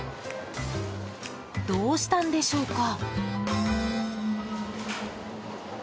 どうしたんでしょうか？